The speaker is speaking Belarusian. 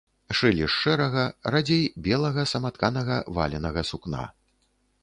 Шылі з шэрага, радзей белага, саматканага валенага сукна.